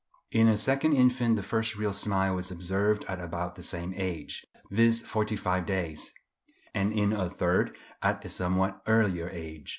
In a second infant the first real smile was observed at about the same age, viz. forty five days; and in a third, at a somewhat earlier age.